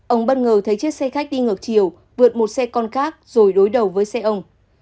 ông bất ngờ thấy chiếc xe khách đi ngược chiều vượt một xe con khác rồi đối đầu với xe ông